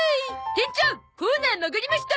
店長コーナー曲がりました！